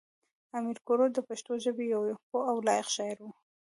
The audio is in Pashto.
امیر کروړ د پښتو ژبې یو پوه او لایق شاعر و.